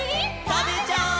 たべちゃおう！